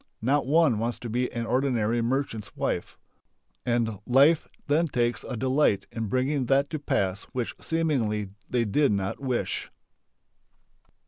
Not one wants to be an ordinary merchant's wife. And life then takes delight in bringing that to pass which seemingly they did not wish....